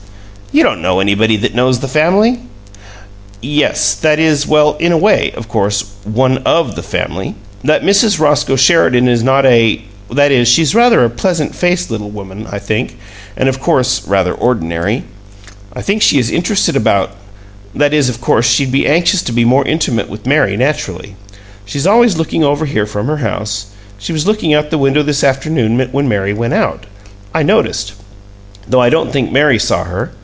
"You don't know anybody that knows the family." "Yes. That is well, in a way, of course, one OF the family. That Mrs. Roscoe Sheridan is not a that is, she's rather a pleasant faced little woman, I think, and of course rather ordinary. I think she is interested about that is, of course, she'd be anxious to be more intimate with Mary, naturally. She's always looking over here from her house; she was looking out the window this afternoon when Mary went out, I noticed though I don't think Mary saw her.